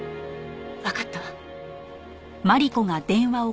わかったわ。